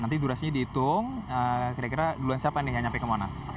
nanti durasinya dihitung kira kira duluan siapa nih nggak nyampe ke monas